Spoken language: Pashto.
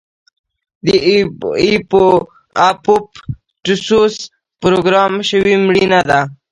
د اپوپټوسس پروګرام شوې مړینه ده.